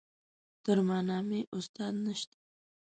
تر ما نامي استاد نشته.